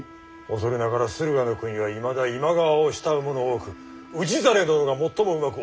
恐れながら駿河国はいまだ今川を慕う者多く氏真殿が最もうまく治められるかと。